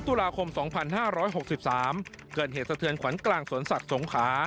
๓ตุลาคมสองพันห้าร้อยหกสิบสามเกิดเหตุสะเทือนขวัญกลางสวนสัตว์สงขา